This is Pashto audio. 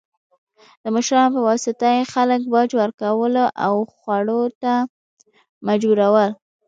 د مشرانو په واسطه یې خلک باج ورکولو او خوړو ته مجبورول.